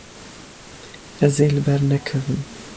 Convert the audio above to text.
Ez ê li ber nekevim.